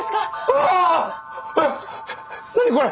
あっ何これ？